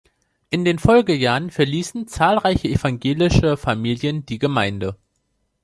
In den Folgejahren verließen zahlreiche evangelischer Familien die Gemeinde.